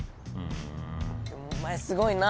でもお前すごいな。